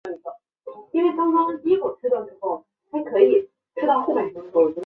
一个拥有工作组服务器的小公司可以使用自动加载磁带机来自动完成备份工作。